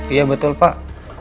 iya betul pak